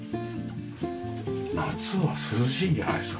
夏は涼しいんじゃないですか？